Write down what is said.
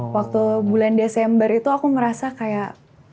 waktu bulan desember itu aku ngerasa kayak